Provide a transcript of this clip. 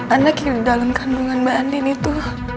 anak yang ada di dalam kandungan andin itu